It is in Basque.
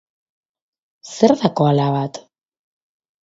Zer da koala bat?